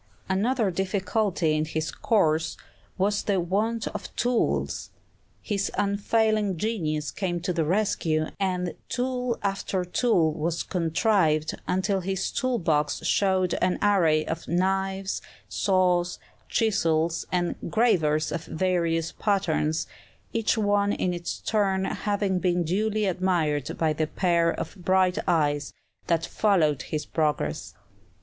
Another difficulty in his course was the want of tools; his unfailing genius came to the rescue, and tool after tool was contrived, until his tool box showed an array of knives, saws, chisels, and gravers of various patterns, each one in its turn having been duly admired by the pair of bright eyes that followed his progress.